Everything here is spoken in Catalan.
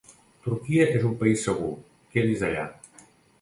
Turquia és un país segur, quedi’s allà.